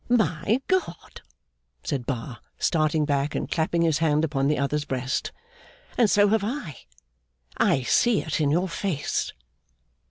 'My God!' said Bar, starting back, and clapping his hand upon the other's breast. 'And so have I! I see it in your face.